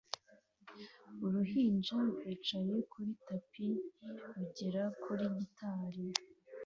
Uruhinja rwicaye kuri tapi rugera kuri gitari